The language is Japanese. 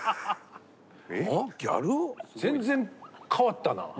全然変わったな。